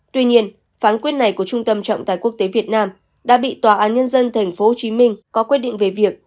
tuy nhiên phán quyết này của trung tâm trọng tài quốc tế việt nam đã bị tòa án nhân dân tp hcm có quyết định về việc